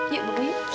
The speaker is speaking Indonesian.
yuk mama yuk yuk